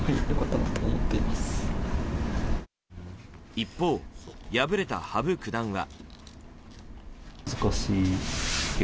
一方、敗れた羽生九段は。